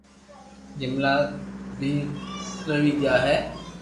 جملا بو ٺئي گيا ھي